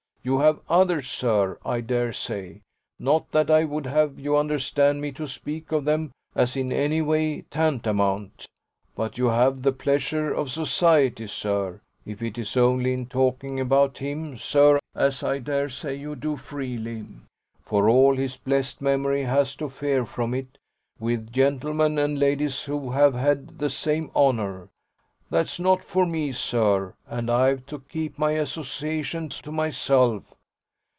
You have others, sir, I daresay not that I would have you understand me to speak of them as in any way tantamount. But you have the pleasures of society, sir; if it's only in talking about him, sir, as I daresay you do freely for all his blest memory has to fear from it with gentlemen and ladies who have had the same honour. That's not for me, sir, and I've to keep my associations to myself.